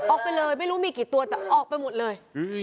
ออกไปเลยไม่รู้มีกี่ตัวแต่ออกไปหมดเลย